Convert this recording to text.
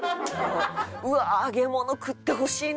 うわー揚げ物食ってほしいな。